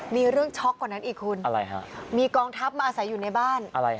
มีเรื่องช็อกกว่านั้นอีกคุณอะไรฮะมีกองทัพมาอาศัยอยู่ในบ้านอะไรฮะ